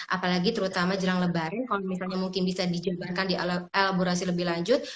apalagi terutama jelang lebaran kalau misalnya mungkin bisa dijebarkan di elaborasi lebih lanjut